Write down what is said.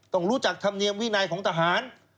ต้องรู้จักธรรมเนียมวินัยของทหาร